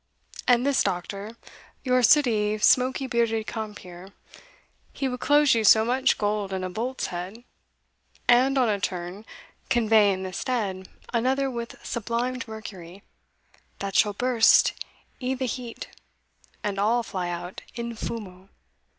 And this Doctor, Your sooty smoky bearded compeer, he Will close you so much gold in a bolt's head, And, on a turn, convey in the stead another With sublimed mercury, that shall burst i' the heat, And all fly out in fumo.